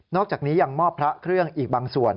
อกจากนี้ยังมอบพระเครื่องอีกบางส่วน